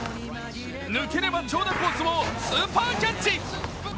抜ければ長打コースをスーパーキャッチ。